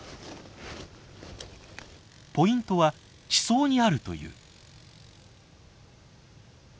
ポイントは地層にあるという。